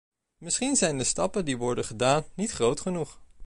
Misschien zijn de stappen die worden gedaan niet groot genoeg.